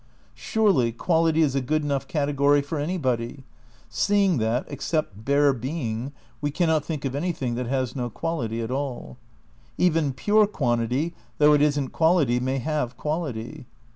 Surely Quality is a good enough category for anybody, seeing that, except bare Being, we cannot think of any thing that has no quality at all. Even pure quantity, though it isn't quality, may have quality.